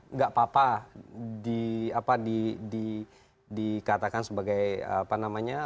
nggak apa apa dikatakan sebagai apa namanya